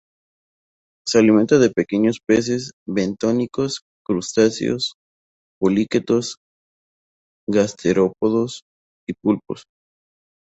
Se alimenta de pequeños peces bentónicos, crustáceos, poliquetos, gasterópodos y pulpos.